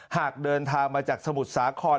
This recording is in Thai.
หากเดินทางมาจากสมุทรสาคร